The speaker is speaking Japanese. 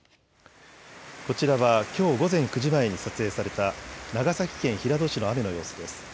こちらはきょう午前９時前に撮影された長崎県平戸市の雨の様子です。